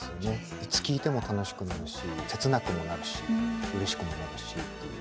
いつ聴いても楽しくなるし切なくもなるしうれしくもなるしっていう。